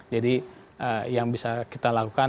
jadi yang bisa kita lakukan